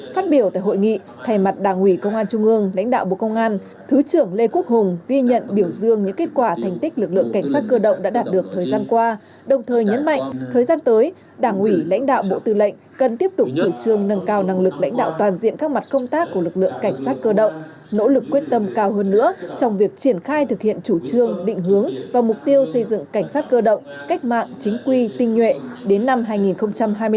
phát biểu tại hội nghị thay mặt đảng ủy công an trung ương lãnh đạo bộ công an thứ trưởng lê quốc hùng ghi nhận biểu dương những kết quả thành tích lực lượng cảnh sát cơ động đã đạt được thời gian qua đồng thời nhấn mạnh thời gian tới đảng ủy lãnh đạo bộ tư lệnh cần tiếp tục chủ trương nâng cao năng lực lãnh đạo toàn diện các mặt công tác của lực lượng cảnh sát cơ động nỗ lực quyết tâm cao hơn nữa trong việc triển khai thực hiện chủ trương định hướng và mục tiêu xây dựng cảnh sát cơ động cách mạng chính quy tinh nhu